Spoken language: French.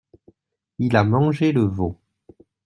Il a mangé le veau !